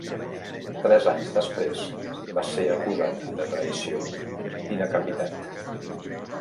Tres anys després, va ser acusat de traïció i decapitat.